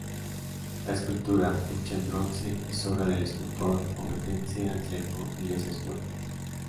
La escultura, hecha en bronce, es obra del escultor ovetense Anselmo Iglesias Poli.